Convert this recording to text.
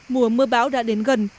mùa mưa bão đã đến gần